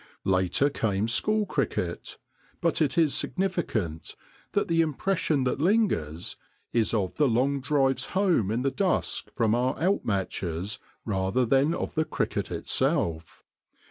Later came school cricket, but it is significant that the impression that lingers is of the long drives home in the dusk from out matches rather than of the cricket itself.